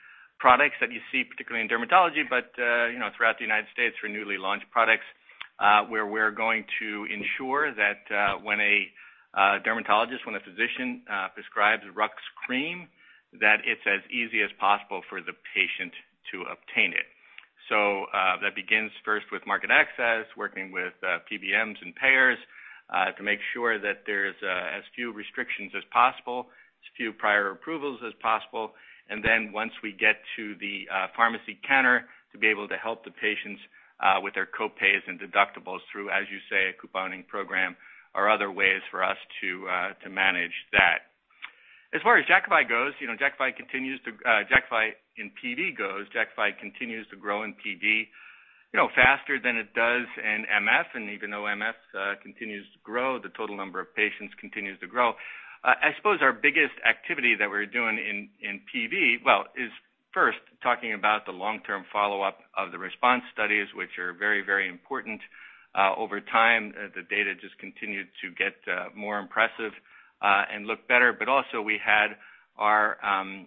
products that you see, particularly in dermatology, but throughout the United States for newly launched products, where we're going to ensure that when a dermatologist, when a physician prescribes rux cream, that it's as easy as possible for the patient to obtain it. That begins first with market access, working with PBMs and payers, to make sure that there's as few restrictions as possible, as few prior approvals as possible, and then once we get to the pharmacy counter, to be able to help the patients with their co-pays and deductibles through, as you say, a couponing program or other ways for us to manage that. As far as Jakafi goes, Jakafi in PV goes, Jakafi continues to grow in PV faster than it does in MF. Even though MF continues to grow, the total number of patients continues to grow. I suppose our biggest activity that we're doing in PV, well, is first talking about the long-term follow-up of the response studies, which are very important. Over time, the data just continued to get more impressive and look better. Also we had our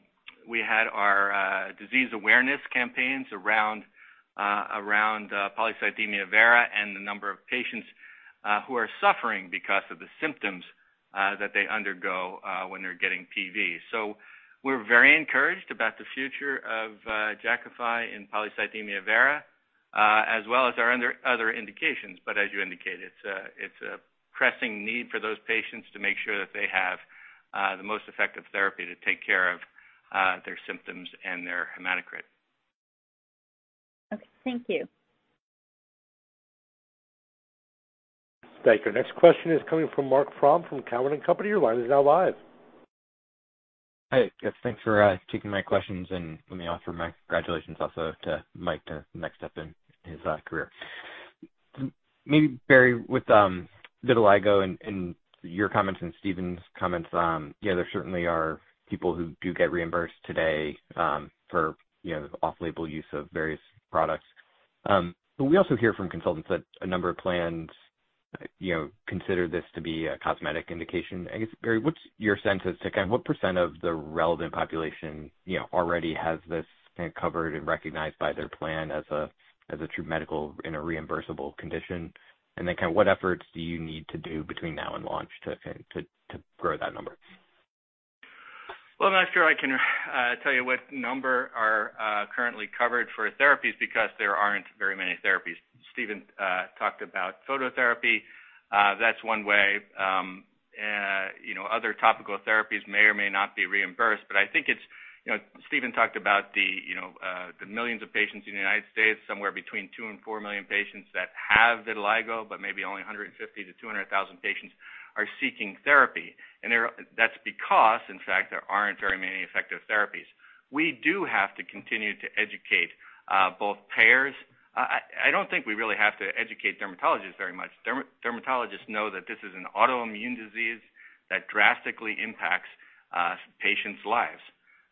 disease awareness campaigns around polycythemia vera and the number of patients who are suffering because of the symptoms that they undergo when they're getting PV. We're very encouraged about the future of Jakafi in polycythemia vera, as well as our other indications. As you indicated, it's a pressing need for those patients to make sure that they have the most effective therapy to take care of their symptoms and their hematocrit. Okay. Thank you. Thank you. Next question is coming from Marc Frahm from Cowen and Company. Your line is now live. Hi. Yes, thanks for taking my questions, and let me offer my congratulations also to Mike to next step in his career. Maybe, Barry, with vitiligo and your comments and Steven's comments, there certainly are people who do get reimbursed today for off-label use of various products. We also hear from consultants that a number of plans consider this to be a cosmetic indication. I guess, Barry, what's your sense as to what percent of the relevant population already has this covered and recognized by their plan as a true medical in a reimbursable condition? What efforts do you need to do between now and launch to grow that number? Well, I'm not sure I can tell you what number are currently covered for therapies, because there aren't very many therapies. Steven talked about phototherapy. That's one way. Other topical therapies may or may not be reimbursed, but I think it's Steven talked about the millions of patients in the U.S., somewhere between 2 million and 4 million patients that have vitiligo, but maybe only 150,000-200,000 patients are seeking therapy. That's because, in fact, there aren't very many effective therapies. We do have to continue to educate both payers. I don't think we really have to educate dermatologists very much. Dermatologists know that this is an autoimmune disease that drastically impacts patients' lives.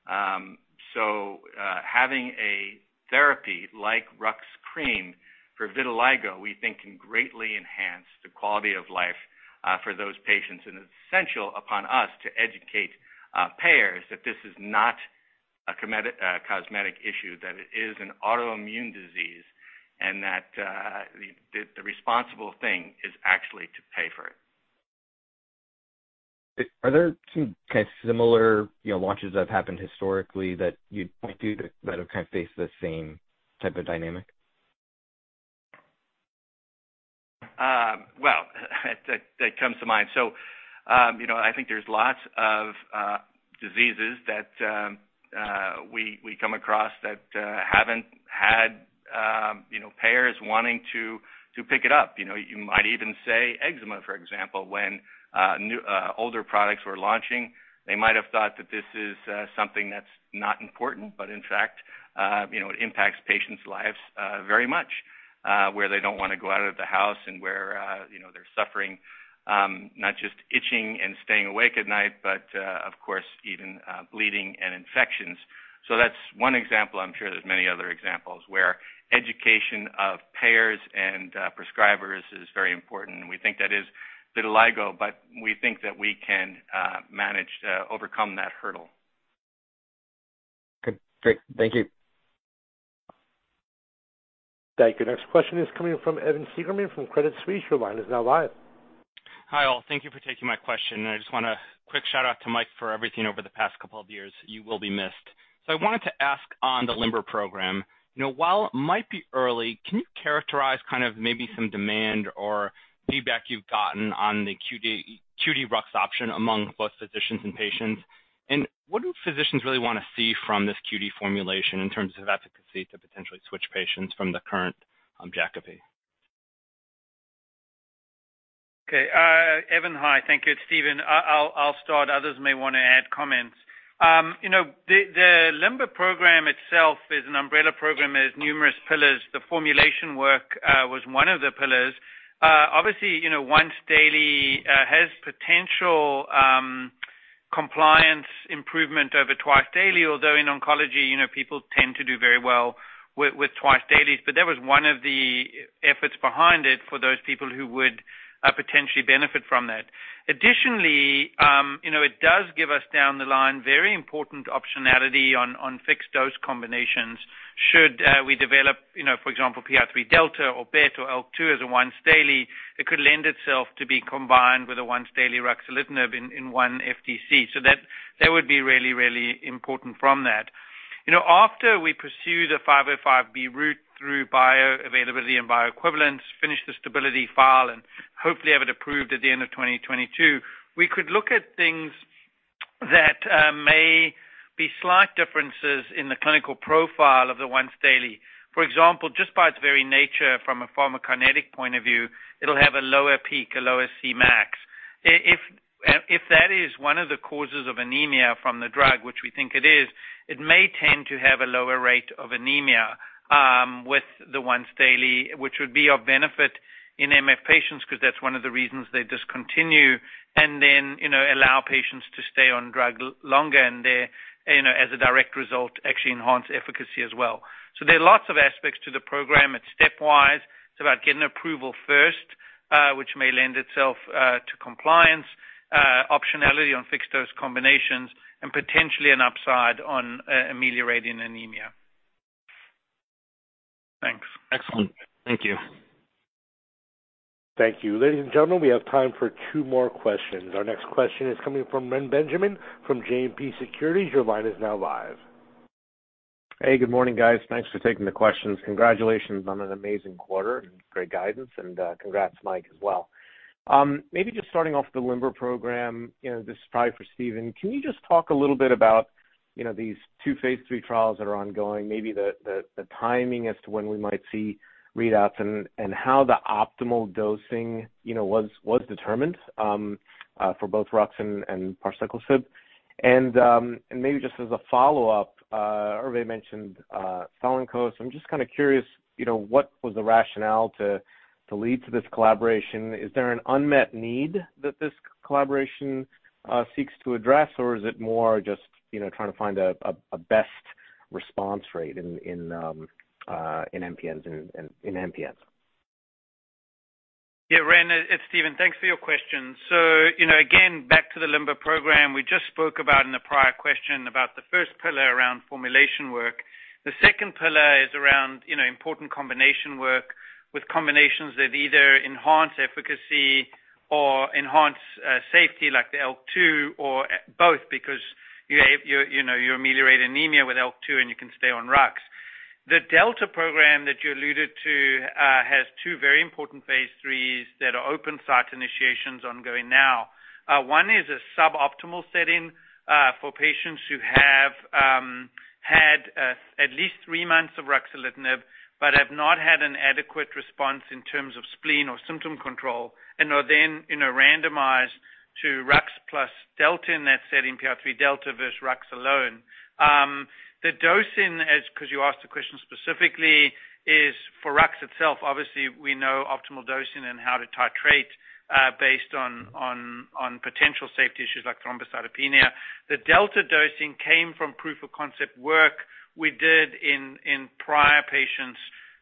Having a therapy like rux cream for vitiligo, we think can greatly enhance the quality of life for those patients. It's essential upon us to educate payers that this is not a cosmetic issue, that it is an autoimmune disease, and that the responsible thing is actually to pay for it. Are there some kind of similar launches that have happened historically that you'd point to that have kind of faced the same type of dynamic? That comes to mind. I think there's lots of diseases that we come across that haven't had payers wanting to pick it up. You might even say eczema, for example, when older products were launching, they might have thought that this is something that's not important, but in fact, it impacts patients' lives very much. Where they don't want to go out of the house and where they're suffering, not just itching and staying awake at night, but, of course, even bleeding and infections. That's one example. I'm sure there's many other examples where education of payers and prescribers is very important, and we think that is vitiligo, but we think that we can manage to overcome that hurdle. Good. Great. Thank you. Thank you. Next question is coming from Evan Seigerman from Credit Suisse. Your line is now live. Hi, all. Thank you for taking my question. I just want a quick shout-out to Mike for everything over the past couple of years. You will be missed. I wanted to ask on the LIMBER program. While it might be early, can you characterize maybe some demand or feedback you've gotten on the qd-rux option among both physicians and patients? What do physicians really want to see from this QD formulation in terms of efficacy to potentially switch patients from the current Jakafi? Okay. Evan, hi. Thank you. It's Steven. I'll start. Others may want to add comments. The LIMBER program itself is an umbrella program. It has numerous pillars. The formulation work was one of the pillars. Obviously, once-daily has potential compliance improvement over twice daily, although in oncology, people tend to do very well with twice dailies. That was one of the efforts behind it for those people who would potentially benefit from that. Additionally, it does give us down the line very important optionality on fixed dose combinations should we develop, for example, PI3K delta or BET or ALK2 as a once daily. It could lend itself to be combined with a once daily ruxolitinib in one FDC. That would be really important from that. After we pursue the 505 route through bioavailability and bioequivalence, finish the stability file, and hopefully have it approved at the end of 2022, we could look at things that may be slight differences in the clinical profile of the once daily. For example, just by its very nature from a pharmacokinetic point of view, it will have a lower peak, a lower Cmax. If that is one of the causes of anemia from the drug, which we think it is, it may tend to have a lower rate of anemia with the once daily, which would be of benefit in MF patients because that is one of the reasons they discontinue, and then allow patients to stay on drug longer, and there, as a direct result, actually enhance efficacy as well. There are lots of aspects to the program. It is stepwise. It's about getting approval first, which may lend itself to compliance, optionality on fixed dose combinations, and potentially an upside on ameliorating anemia. Thanks. Excellent. Thank you. Thank you. Ladies and gentlemen, we have time for two more questions. Our next question is coming from Reni Benjamin from JMP Securities. Your line is now live. Hey, good morning, guys. Thanks for taking the questions. Congratulations on an amazing quarter and great guidance and congrats, Mike, as well. Starting off with the LIMBER program, this is probably for Steven. Can you just talk a little bit about these two phase III trials that are ongoing, maybe the timing as to when we might see readouts and how the optimal dosing was determined for both rux and parsaclisib? As a follow-up, Hervé mentioned Cellenkos. I'm just curious, what was the rationale to lead to this collaboration? Is there an unmet need that this collaboration seeks to address, or is it more just trying to find a best response rate in MPNs? Yeah, Reni, it's Steven. Thanks for your question. Again, back to the LIMBER program we just spoke about in the prior question about the first pillar around formulation work. The second pillar is around important combination work with combinations that either enhance efficacy or enhance safety like the ALK2 or both, because you ameliorate anemia with ALK2, and you can stay on rux. The delta program that you alluded to has two very important phase III that are open site initiations ongoing now. One is a suboptimal setting for patients who have had at least three months of ruxolitinib but have not had an adequate response in terms of spleen or symptom control and are then randomized to rux plus delta in that setting, PI3K delta versus rux alone. The dosing, because you asked the question specifically, is for rux itself. Obviously, we know optimal dosing and how to titrate based on potential safety issues like thrombocytopenia. The delta dosing came from proof of concept work we did in prior patients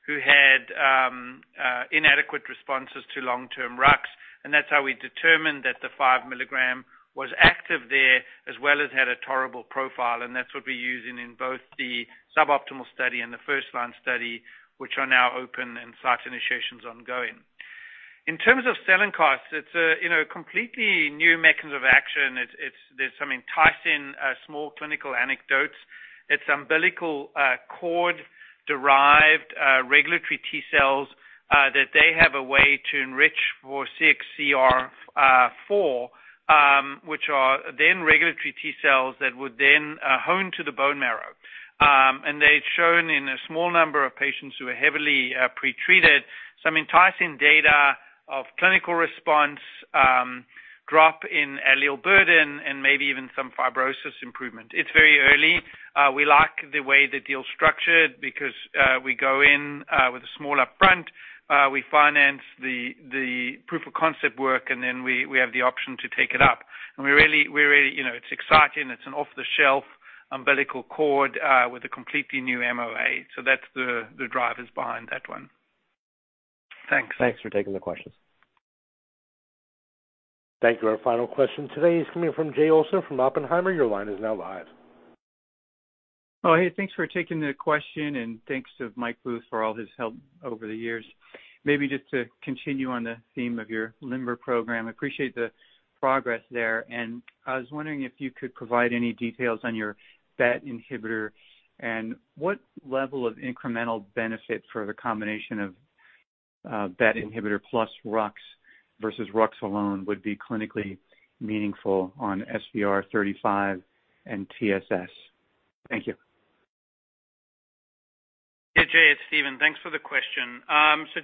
who had inadequate responses to long-term rux, and that's how we determined that the five milligram was active there, as well as had a tolerable profile, and that's what we're using in both the suboptimal study and the first-line study, which are now open and site initiation's ongoing. In terms of Cellenkos, it's a completely new mechanism of action. There's some enticing small clinical anecdotes. It's umbilical cord-derived regulatory T-cells that they have a way to enrich for CXCR4, which are then regulatory T-cells that would then home to the bone marrow. They've shown in a small number of patients who are heavily pre-treated, some enticing data of clinical response, drop in allelic burden, and maybe even some fibrosis improvement. It's very early. We like the way the deal's structured because we go in with a small upfront. We finance the proof of concept work, and then we have the option to take it up. It's exciting. It's an off-the-shelf umbilical cord with a completely new MOA, that's the drivers behind that one. Thanks. Thanks for taking the questions. Thank you. Our final question today is coming from Jay Olson from Oppenheimer. Your line is now live. Oh, hey, thanks for taking the question, and thanks to Mike Booth for all his help over the years. Maybe just to continue on the theme of your LIMBER program, appreciate the progress there. I was wondering if you could provide any details on your BET inhibitor and what level of incremental benefit for the combination of BET inhibitor plus rux versus rux alone would be clinically meaningful on SVR35 and TSS. Thank you. Hey, Jay, it's Steven. Thanks for the question.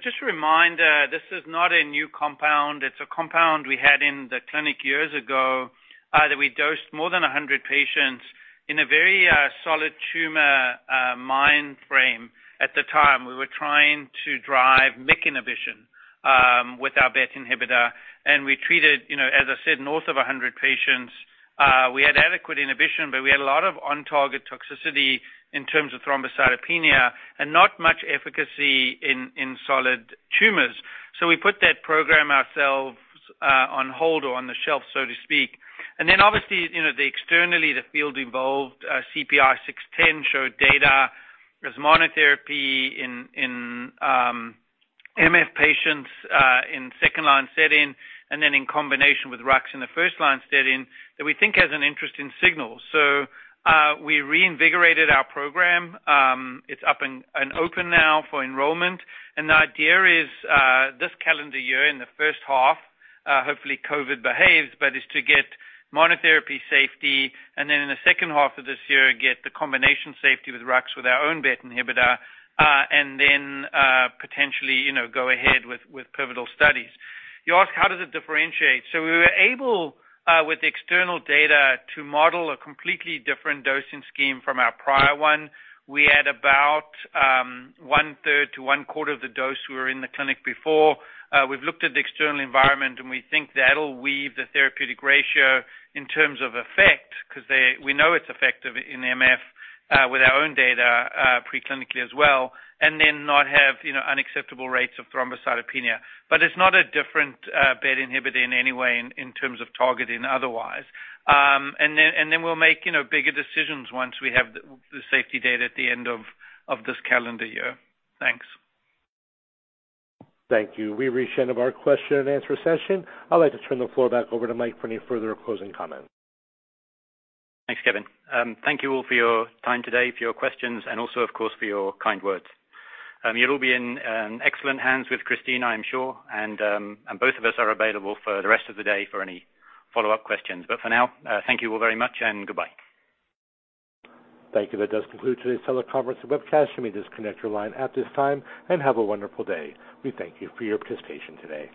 Just a reminder, this is not a new compound. It's a compound we had in the clinic years ago, that we dosed more than 100 patients in a very solid tumor mind frame. At the time, we were trying to drive MYC inhibition with our BET inhibitor, we treated, as I said, north of 100 patients. We had adequate inhibition, we had a lot of on-target toxicity in terms of thrombocytopenia and not much efficacy in solid tumors. We put that program ourselves on hold or on the shelf, so to speak. Obviously, externally, the field evolved. CPI-0610 showed data as monotherapy in MF patients in second-line setting and then in combination with rux in the first-line setting that we think has an interesting signal. We reinvigorated our program. It's up and open now for enrollment. The idea is, this calendar year in the first half, hopefully COVID behaves, but is to get monotherapy safety and then in the second half of this year, get the combination safety with rux with our own BET inhibitor, and then potentially go ahead with pivotal studies. You ask, how does it differentiate? We were able, with the external data, to model a completely different dosing scheme from our prior one. We had about one third to one quarter of the dose we were in the clinic before. We've looked at the external environment, and we think that'll weave the therapeutic ratio in terms of effect, because we know it's effective in MF with our own data pre-clinically as well, and then not have unacceptable rates of thrombocytopenia. It's not a different BET inhibitor in any way in terms of targeting otherwise. Then we'll make bigger decisions once we have the safety data at the end of this calendar year. Thanks. Thank you. We've reached the end of our question-and-answer session. I'd like to turn the floor back over to Mike for any further closing comments. Thanks, Kevin. Thank you all for your time today, for your questions, and also, of course, for your kind words. You'll all be in excellent hands with Christine, I am sure, and both of us are available for the rest of the day for any follow-up questions. For now, thank you all very much and goodbye. Thank you. That does conclude today's teleconference and webcast. You may disconnect your line at this time, and have a wonderful day. We thank you for your participation today.